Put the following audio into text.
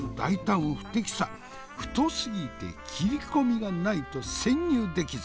太すぎて切り込みがないと潜入できず。